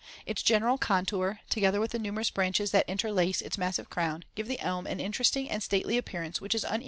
Its general contour, together with the numerous branches that interlace its massive crown, give the elm an interesting and stately appearance which is unequaled by any other tree.